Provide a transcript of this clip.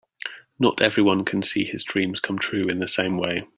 Not everyone can see his dreams come true in the same way.